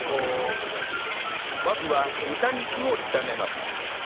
まずは豚肉を炒めます